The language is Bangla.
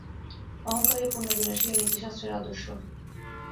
অহঙ্কারের পূর্ণ বিনাশই নীতিশাস্ত্রের আদর্শ।